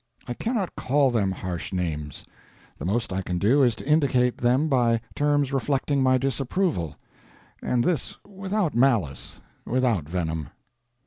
I cannot call them harsh names; the most I can do is to indicate them by terms reflecting my disapproval; and this without malice, without venom.